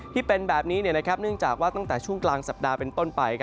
ที่เป็นแบบนี้เนื่องจากว่าตั้งแต่ช่วงกลางสัปดาห์เป็นต้นไป